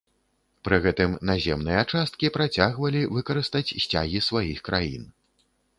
Пры гэтым наземныя часткі працягвалі выкарыстаць сцягі сваіх краін.